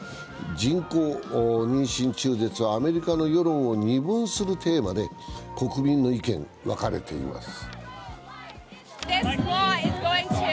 人工妊娠中絶は、アメリカの世論を二分するテーマで、国民の意見は分かれています。